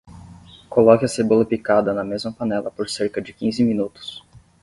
Coloque a cebola picada na mesma panela por cerca de quinze minutos.